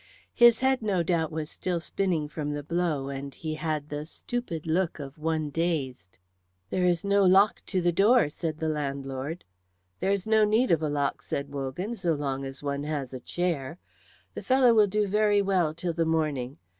His head no doubt was still spinning from the blow, and he had the stupid look of one dazed. "There is no lock to the door," said the landlord. "There is no need of a lock," said Wogan, "so long as one has a chair. The fellow will do very well till the morning.